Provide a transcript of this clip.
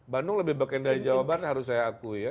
bandung lebih beken dari jawa barat harus saya akui ya